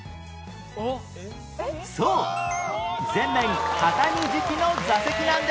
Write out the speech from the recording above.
そう全面畳敷きの座席なんです